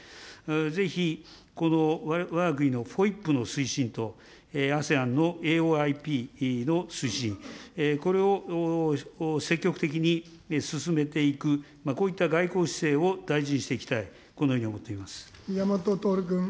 ぜひ、このわが国のＦＯＩＰの推進とＡＳＥＡＮのＡＯＩＰの推進、これを積極的に進めていく、こういった外交姿勢を大事にしていき宮本徹君。